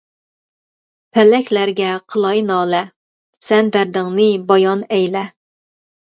پەلەكلەرگە قىلاي نالە، سەن دەردىڭنى بايان ئەيلە.